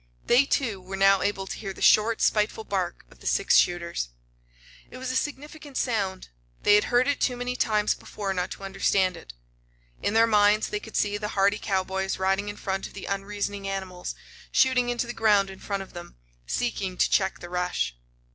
They, too, were now able to hear the short, spiteful bark of the six shooters. It was a significant sound. They had heard it too many times before not to understand it. In their minds they could see the hardy cowboys riding in front of the unreasoning animals, shooting into the ground in front of them, seeking to check the rush.